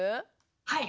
はい。